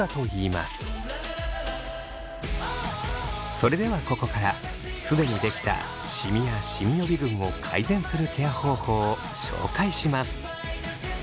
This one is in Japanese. それではここから既にできたシミやシミ予備軍を改善するケア方法を紹介します。